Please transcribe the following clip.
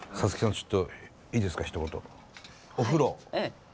ちょっといいですか一言。